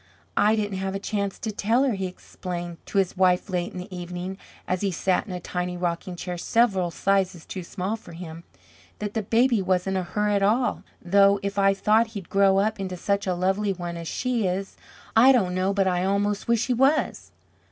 "I didn't have a chance to tell her," he explained to his wife late in the evening, as he sat in a tiny rocking chair several sizes too small for him, "that the baby wasn't a her at all, though if I thought he'd grow up into such a lovely one as she is, I don't know but I almost wish he was."